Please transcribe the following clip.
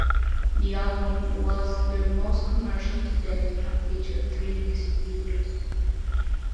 The album was their most commercial to date, and featured three music videos.